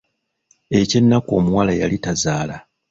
Eky'ennaku omuwala yali tazaala.